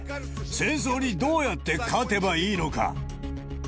戦争にどうやって勝てばいいのか。